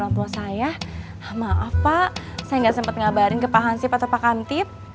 lampu saya maaf pak saya gak sempet ngabarin ke pak hansip atau pak kantip